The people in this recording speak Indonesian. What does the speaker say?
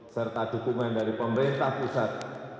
serta dukungan dari pemerintah pusat